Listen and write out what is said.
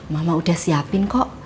mama udah siapin kok